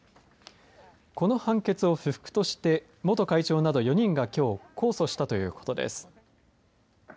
この判決を不服として元会長など４人がきょう控訴したということです。